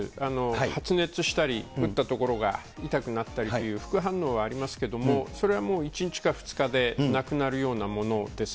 発熱したり、打った所が痛くなったりっていう、副反応はありますけれども、それはもう１日か２日でなくなるようなものです。